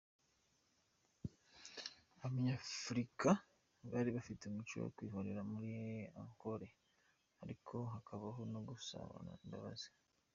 Abanyafurika bari bafite umuco wo kwihorera, muri Ankole, ariko hakabaho no gusabana imbabazi.